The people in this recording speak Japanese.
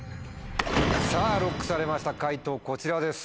さぁＬＯＣＫされました解答こちらです。